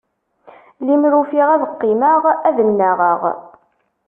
Limer ufiɣ ad qqimeɣ ad nnaɣeɣ.